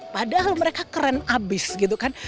padahal mereka keren abis gitu kan